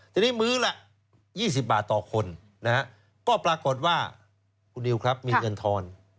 ทีนี้มื้อละ๒๐บาทต่อคนนะฮะก็ปรากฏว่าคุณนิวครับมีเงินทอน